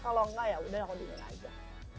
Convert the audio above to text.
kalau enggak yaudah aku dimana aja